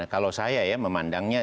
kalau saya ya memandangnya